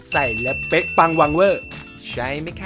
ใส่และเป๊ะปังวางเวอร์ใช้ไหมคะ